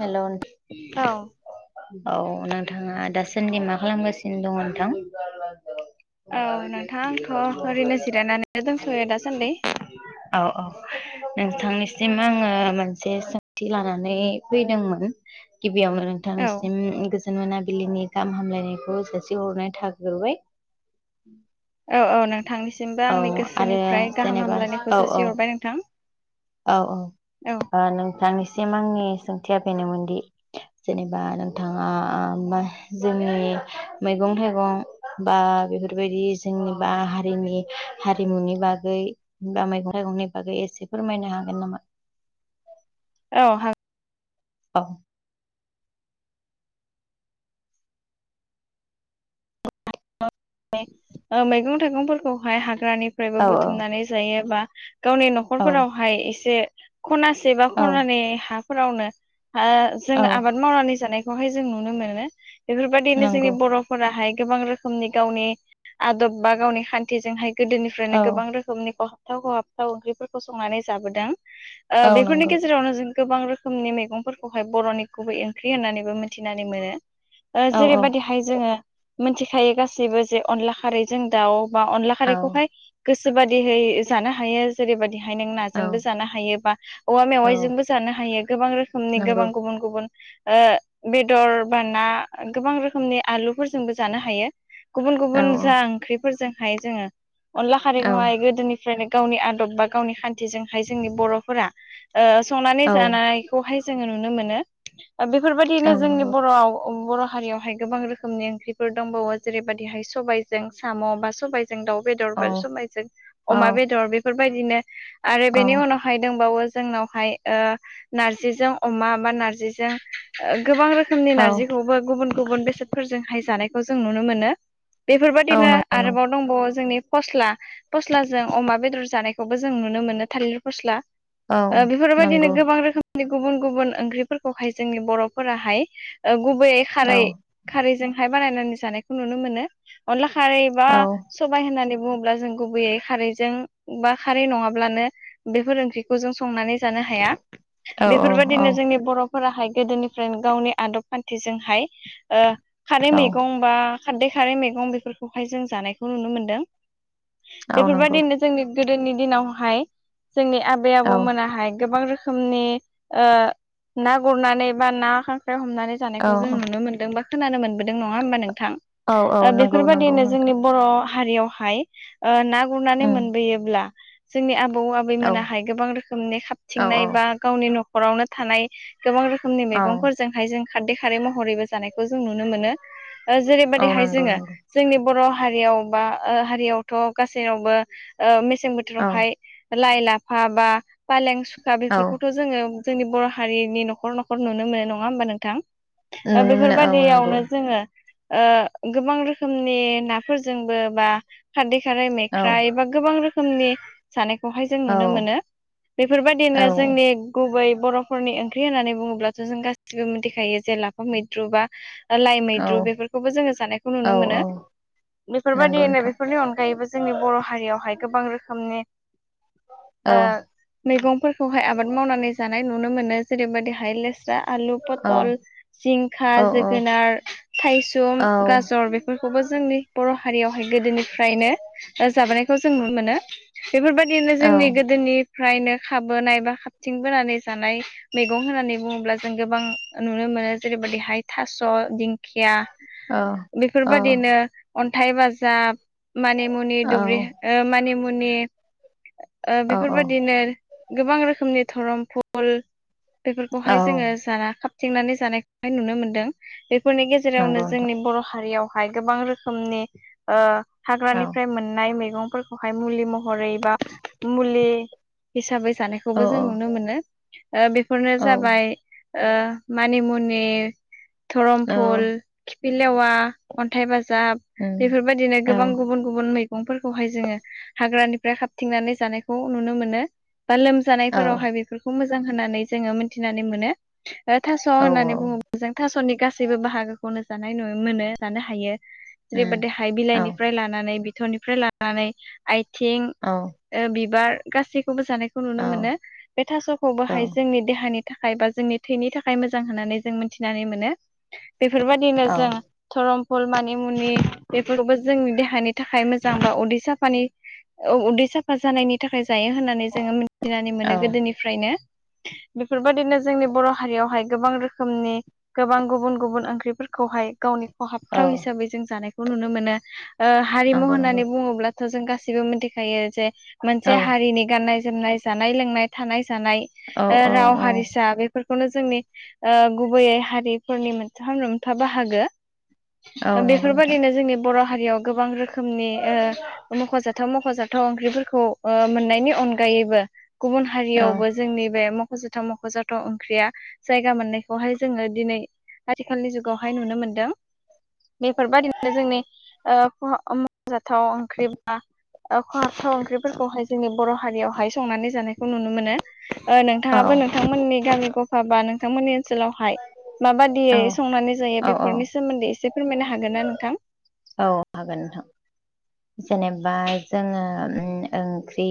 हेल'। औ। औ नोंथाङा दासान्दि मा खालामगासिनो दङ नोंथां? [unintelligible] औ नोंथां आंथ' ओरैनो जिरायनानै दंथ'यो दासान्दि औ औ नोंथांनिसिम आङो मोनसे सोंथि लानानै फैदोंमोन गिबियावनो औ नोंथांनिसिम बिथां मोन बिलिनि गाहाम हामलायनायखौ जासिहरनाय थाग्रोबाय। औ औ नोंथांनिसिमबो औ आंनि आरो गोसोनिफ्राय गाहाम जेनेबा औ हामलायनायखौ औ जासिहरबाय नोंथां। औ औ नोंथांनिसिम आंनि सोंथिया बेनोमोनदि जेनेबा नोंथाङा जोंनि मैगं थाइगं बा बेफोरबायदि जोंनि बा हारिनि हारिमुनि बागैा मैगं थाइगंनि बागै एसे फोरमायनो हागोन नामा? औ। औ। मैगं थाइगंफोरखौहाय हाग्रानिफ्रायबो औ बुथुमनानै जायोा गावनि औ न'खरफोरावहाय एसे खनासे बा खनानि ह फोरावनो जों औ आबाद मावनानै जानायखौहाय जों नुनो मोनो। बेफोरबायदिनो जोंनि नंगौ बर'फोराहाय गोबां रोखोमनि गावनि आदब बा गावनि खान्थिजोंहाय गोदोनिफ्रायनो औ गोबां रोखोमनि खहाबथाव खहाबथाव ओंख्रिफोरखौ संनानै जाबोदों। औ बेफोरनि नंगौ गेजेरावनो जों गोबां रोखोमनि मैगंफोरखौहाय बर'नि गुबै ओंख्रि होननानैबो मिथिनानै मोनो। औ औ जेरैबायदिहाय जोङो मोनथिखायो गासैबो जे अनला खारै जों दाउ बा अनला औ खारैखौहाय गोसो बादिहै जानो हायो। जेरैबायदिहाय नों औ नाजोंबो जानो हायो बा औवा औ मेवाइजोंबो जानो हायो गोबां रोखोम नि नंगौ गोबां गुब गुबुन गुबबुनय बेदर बाना गोबां रोखोमनि आलुफोरजोंबो जानो गुबुन औ गुबुन औ जा ओंख्रिफोरजोंहाय जोङो अनला औ खारैखौहाय गोदोनि ओनो गावनि आदब बा गावनि खान्थिजोंहाय जोंनि बर'फोरा संनानै औ जानाय खौहाय जोङो नुनो मोनो बेफोरबायदिनो जोंनि नंगौ औ बर'आव बर' हारियावहाय गोबां रोखोमनि ओंख्रिफोर जों दाउ बेदर बा औ सबायजों औ अमा बेदर बेफोरबाय औ फायदोंबावो जोंनावहाय ओ ओ गोबां रोखोमनि नारज खौ जों नुनो मोनो नंगौ बेफोरबायदिनो नंगौ आरोबाव दंबावो जोंनि फस्ला फस्लाजों अमा बेदर औ ओ बेफोरबायदिनो नंगौ गोबां रोखोम जोंनि गुबुन गुबुन ओंख्रिफोरखौहाय जोंनि बर'फोराहाय ओ गुबैयै औ खारै खारैजोंहाय बानायनानै जानायखौ नुनो मोनो अनला खारै बा औ सबाय होननानै बुङोब्ला जों गुबैयै खारैजों बा खारै नङाब्लानो बेफोर ओंख्रिखौ जों संनानै जानो हाया औ बेफोरबायदिनो औ जोंनि बर' फोराहाय गोदोनिफ्रायनो गावनि आदब खान्थिजोंहाय ओ खारै औ मैगं बा खाददै खारै मैगं बेफोरखौहाय जों जानायखौ नुनो मोनदों औ नंगौ बेफोरबायदिनो जोंनि गोदोनि दिनावहाय जोंनि आबै औ आबौमोनाहाय गोबां रो खोमनि ओ ना गुरनानै बा ना खा ख्राय हमनानै औ जानायखौ जों नुनो औ औ ओ नंगौ नंगौ बेफोरबादिनो जोंनि नोंथां बर' हारियावहाय ओ ना गुरनानै उम मोनबोयोब्ला जोंनि आबौ औ आबैमोनाहाय गोबां रोखोमनि औ औ खाबथिंनाय बा गावनि न'खरावनो थानाय गोबां रोखोमनि औ मैगंफोरजों औ हाय नंगौ नंगौ जों जोंनि बर' हारियाव बा थोराव औ हाय लाइ लाफा बा फालें सुखा औ बेफोरखौथ' जोङो जोंनि बर' हारि ओ नुनो मोनो औ नंगौ बेफोरबादियावनो जोङो ओ गोबां रोखोमनि नाफोरजोंबो बा खारदै खारै मेख औ औ बेफोरबायदिनो औ जोंनि गुबै बर'फोरनि ओंख्रि होननानै बुङोब्लाथ' जों गासिबो मिथिखायो जे लाफा मैद्रु बा लाइ औ मैद्रु बेफोरखौबो जों जोंनि औ औ नंगौ नोंथां बर' हारियावहाय गोबां रोखोमनि औ ओ मैगंफोरखौहाय आबाद मावनानै जानाय नुनो मोनो जेरैबायदिहाय लेस स्रा आलु फथल जिंखा औ जोगोनार थायसुम औ गाजर बे फोर खौ जों नुनो मोनो बेफोरबायदिनो औ जोंनि गोदोनि फ्रायनो खाबोनायबा खाबथिं बोनानै जानाय मैगं होननानै बुङोब्ला जों गोबां नुनो मोनो जेरैबायदिहाय औ औ थास' मानिमुनि औ औ दुब्रि ओ मानिमुनि ओ बेफोरबायदिनो गोबां रोखोमनि धरमफु नाय नुनो मोनदों बेफोरनि गेजेरावनो नंगौ नोंथां जोंनि बर' हारियावहाय गोबां रोखोमनि ओ औ हाग्रानिफ्राय हाय मुलि महरै बा मुलि हिसाबै जानाय खौबो जों नुनो मोनो ओ औ बेफोरनो औ उम जाबाय ओ मानिमु धरमफुल खिफिलेवा अन्थाइ बाजाब [unintelligible] औ गं फोरखौहाय जो औ जानायफोरावहाय बेफोरखौ मोजां होननानै जोङो मिनथिनानै मोनो जों थास उम जेरैबायादि हाइ औ बिलाइनिफ्राय लानानै बिथ'निफ्राय लानानै आइथिं औ। ओ बिबार गासै औ औ थाखाय बा जोंनि थैनि थाखाय मोजां होननानै जों मोनथिनानै मोनो बेफोरबायदिनो औ जों धरमफुल मानि मुनि बेफोरबो जोंनि देहानि थाखाय मोजां बा उदै साफानि औ उदै साफा जानायनि थाखाय जायो होननानै जोङो मोनथिनानै औ मोनो गोदोनि फ्रायनो बेफोरबायदिनो जोंनि बर' हारियावहाय गोबां रोखोमनि गोबा औ खहाबथाव हिसाबै जों जानायखौ नुनो मोनो ओ हारिमु नंगौ नंगौ होननानै बुङोब्ला थ' जों गासिबो मिथिखायो जे औ मोनसे हारिनि गाननाय जोमनाय, जानाय लोंनाय, थानाय जानाय औ औ राव औ हारिसा बेफोरखौनो जोंनि ओ गुबैयै हारिफोरनि [unintelligible] बाहागो औ नंगौ नोंथां बेफोरबादिनो जोंनि बर' हारियाव गोबां रोखोमनि ओ मख'जा थाव मख'जाथाव ओंख्रिफोरखौ ओ मोननायनि अनगायैबो गुबुन औ हारियावबो जोंनि बे मख'जाथाव मख'जाथाव ओंख्रिया जायगा मोननायखौहाय जोङो दिनै आथिखालनि जुगावहाय नुनो मोनदों। बेफोरबादिनो जोंनि ओ [inaudible] ओंख्रि बा खहाबथाव ओंख्रिफोरखौहाय जोंनि बर' हारियावहाय संनानै जानायखौ नुनो मोनो। ओ औ नोंथाङाबो नोंथांमोननि गामि गफा बा नोंथांमोननि ओनसोलावहाय औ माबादियै संनानै जायो औ बेफोरनि सोमोन्दै एसे फोरमायनो हागोन ना नोंथां? औ हागोन नोंथां। जेनेबा जोङो उम ओंख्रि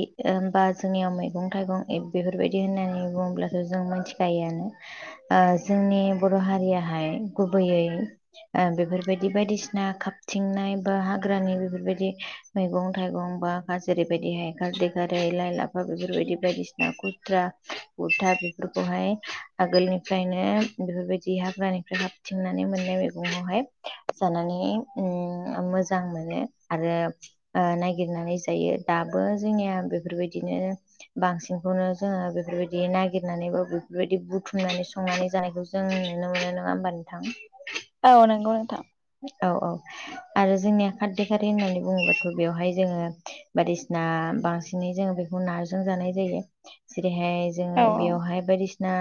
बा जोंनियाव मैगं थाइगं बेफोरबायदि होननानै बुङोब्लाथ' जों मिथिखायोआनो। ओ जोंनि बर' हारियाहाय गुबैयै ओ बेफोरबायदि बायदिसिना खाबथिंनाय बा हाग्रानि बेफोरबायदि मैगं-थाइगं बा जेरैबायदिहाय खारदै खारै लाइ लाफा बेफोरबायदि बायदिसिना खुथ्रा [unintelligible] बेफोरखौहाय आगोलनिफ्रायनो बेफोरबायदि हाग्रानिफ्राय खाब थिंनानै मोननाय मैगंखौहाय जानानै उम मोजां मोनो आरो आ नागिरनानै जायो दाबो जोंनिया बेफोरबायदिनो बांसिनखौनो जोङो बेफोरबायदि नागिरनानै बा बेफोरबायदि बुथुमनानै संनानै जानायखौ जों नुनो मोनो नङा होमबा नोंथां? औ नंगौ नोंथां। औ औ आरो जोंनिया खारदै खारि होननानै बुङोबाथ' बेवहाय जोङो बायदिसिना बांसिनै जोङो बेखौ नाजों जानाय जायो जेरैहाय जोङो औ बेयावहाय बायदिसि ना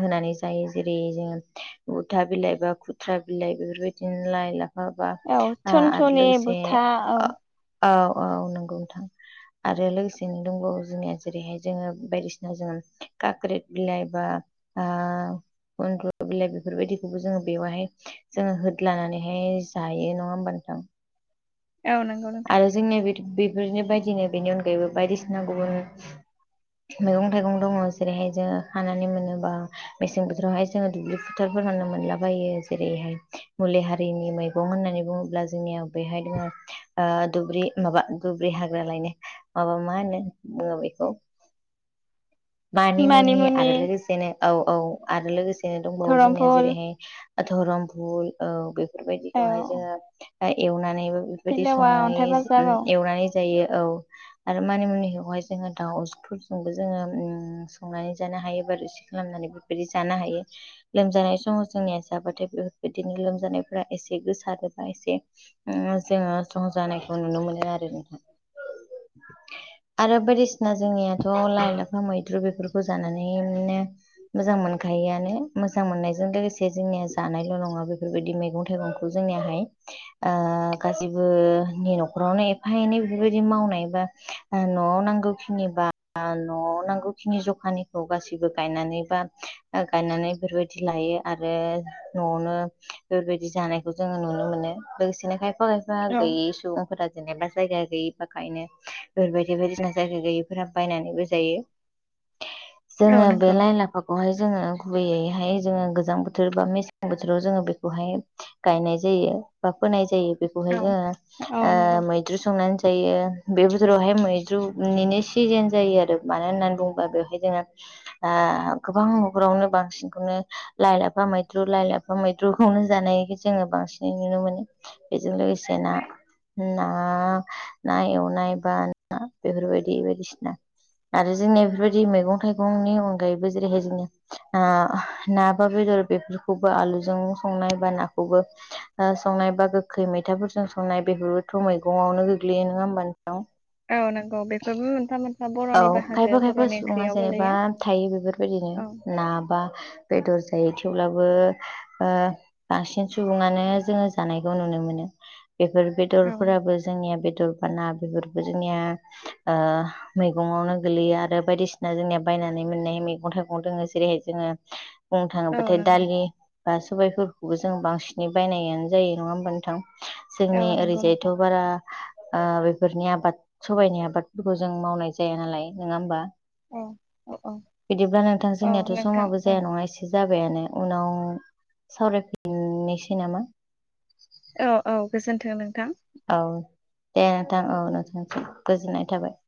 होनानै जायो जेरै जोङो उथा बिलाइ बा खुथ्रा बिलाइ बेफोरबाय दिनो लाइ लाफा बा औ आरो थुनथुनि लोगोसे बुथा औ औ औ नंगौ नोंथां। आरो लोगोसेनो दंबावो जोंनिया जेरैहाय जोङो बायदिसिना जोङो काक्रेट बिलाइ बा आ [unintelligible] बिलाइ बेफोरबायदिखौबो जोङो बेवहाय जोङो हो लानानैहाय जायो नङा होमबा नोंथां? औ नंगौ नोंथां आरो जोंनिया [unintelligible] बेफोरनि बायदिनो बेनि अनगायैबो बायदिसिना गुबुन मैगं थाइगं दङ जेरैहाय जोङो हानानै मोनोबा मेसें बोथोरावहाय जोङो दुब्लि फोथारफोरावनो मोनलाबायो जेरैहाय मुलि हारिनि मै गं होननानै बुङोब्ला जोंनिया बेहाय दङ आ दुब्रि माबा दुब्रि हाग्रा लायनो माबा मा होनो बुङो बेखौ [inaudible] मानि मुनि मानिमुनि आरो लोगोसेनो औ औ आरो लोगोसेनो दंबावो जोंनिया धरमफुल जेरैहाय धरम फुल औ बेफोरबायदिखौहाय जोङो एवनानैबो [unintelligible] अन्थाय बाजाब औ संनानै जायो औ। आरो मानि मुनियावहाय जोङो दाउफोरजोंबो जोङो ओम संनानै जानो हायो। बा रोसि खालामनानैबो बिदि जानो हायो। लोमजानाय समाव जोंनिया जाबाथाय बेफोरबायदिनो लोमजानायफोरा एसे गोसारोबा एसे ओम जोङो- संजानायखौ नुनो मोनो आरो नोंथां। आरो बायदिसिना ना जोंनियाथ' लाइ लाफा मैद्रु बेफोरखौ जानानै बिदिनो मोजां मोनखायोआनो मोजां मोननायजों लोगोसे जोंनिया जानायल' नङा बेफो बेफोरबायदि मैगं थाइगंखौ जोंनियाहाय ओ खारजि ओ नि न'खरावनो एफा एनै बेफोरबायदि मावनायबा। ओ न'आव नांगौ खिनि बा ओ न'आव नांगौ खिनि जखानिखौ गासैबो गायनानै बा ओ गायनानै बेफोरबायदि दि लायो आरो न'आवनो बेफोरबायदि जानायखौ जोङो नुनो मोनो। लोगोसेनो खायफा खायफा फा औ गैयि समफोरा- [inaudible] जेनेबा जायगा गैयि फोरखायनो बेफोरबायदि बायदिसिना जायगा गैयिफोरा बायनानैबो जायो। औ जोङो बे नंगौ लाइ लाफाखौ बेखौहाय जोङो गुबैयैहाय जोङो गोजां बोथोर बा मेसें बोथोराव जोङो बेखौहाय गायनाय जायो। बा फोनाय जायो बेखौहाय औ जोङो औ नंगौ ओ मै मैद्रु संनानै जायो। बे बोथोरावहाय मैद्रुनिनो सिजेन जायो आरो। मानो होननानै बुङोबा बेवहाय जोङो ओ गोबां न'खरावनो बांसिनखौनो लाइ लाफा मैद्रु लाइ लाफा मैद्रुखौनो जानायखो जोङो बांसिनै नुनो मोनो। बेजों लोगोसे ना ना-ना एवनाय बा ना बेफोरबायदि बायदिसिना आरो जोंनिया बेफोरबायदि मैगं थाइगंनि अनगायैबो जेरैहाय जोङो ओ ना बा बेदर बेफोरखौबो आलुजों संनाय बा नाखौबो ओ संनाय बा गो गोखै मैथाफोरजों संनाय। बेफोरबोथ' मैगंआवनो गोग्लैयो नोङा होमबा नोंथां? औ नंगौ बेफोरबो मोनफा मोनफा औ। बर'नि बाहागो खायफा - खायफा बर'नि सुबुङा ओंख्रियाव जेनेबा गोलैयो थायो बेफोरबायदिनो। औ ना बा- बेदर जायो। थेवब्लाबो ओ बांसिन सुबुङानो जोङो जानायखौ खौ नुनो मोनो बेफोर औ बेदरफोराबो जोंनिया बेदर बाना बेफोरबो जोंनिया ओ मैगंआवनो गोलैयो। आरो बायदिसिना जोंनिया बायनानै मोननाय मैगं थाइगं दोङो। जेरैहाय बिदिनो- बुंनो औ थाङोबाथाय नंगौ दालि बा सबायफोरखौबो जों बांसिनै बायनायानो जायो। नङा होमबा? नोंथां औ जोंनि नंगौ ओरैजायथ' नोंथां बारा ओ बेफोरनि आबाद सबायनि आबादफोरखौ जों मावनाय जाया नालाय नङा होमबा? औ औ औ बिदिब्ला नोंथां औ जोंनियाथ' नोंथां समाबो औ जाया नङा एसे जाबायानो उनाव सावरायफिननोसै नामा? औ औ गोजोन्थों नोंथां। औ दे नोंथां औ। नोंथांसिम गोजोननाय थाबाय।